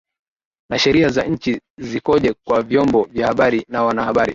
na sheria za nchi zikoje kwa vyombo vya habari na wanahabari